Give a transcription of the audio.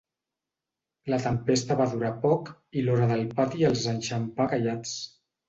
La tempesta va durar poc i l'hora del pati els enxampà callats.